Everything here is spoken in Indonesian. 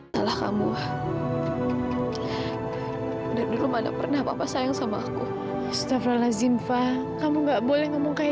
sampai jumpa di video selanjutnya